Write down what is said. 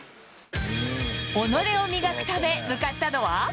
己を磨くため、向かったのは。